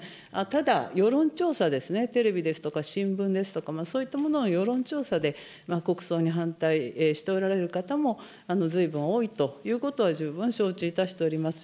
ただ世論調査ですね、テレビですとか新聞ですとか、そういったものを、世論調査で、国葬に反対しておられる方もずいぶん多いということは十分承知いたしております。